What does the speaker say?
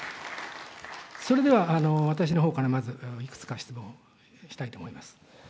それでは私のほうからまず、いくつか質問したいと思います。